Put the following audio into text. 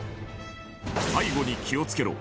背後に気を付けろ！